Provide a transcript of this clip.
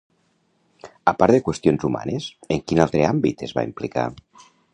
A part de qüestions humanes, en quin altre àmbit es va implicar?